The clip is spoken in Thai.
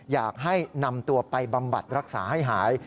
อยากให้นำตัวไปบำบัดรักษาให้หาย